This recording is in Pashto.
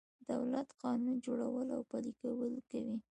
دولت قانون جوړول او پلي کول کوي.